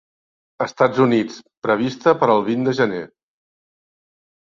Estats Units, prevista per al vint de gener.